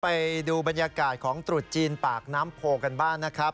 ไปดูบรรยากาศของตรุษจีนปากน้ำโพกันบ้างนะครับ